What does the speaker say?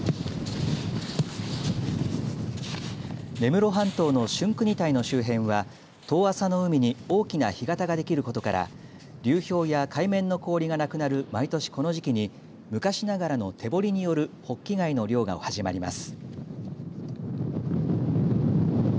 根室半島の春国岱の周辺は遠浅の海に大きな干潟ができることから流氷や海面の氷がなくなる毎年この時期に昔ながらの手掘りによるホッキ貝の漁が始まります。